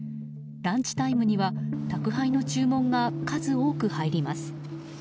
ランチタイムには宅配の注文が数多く入ります。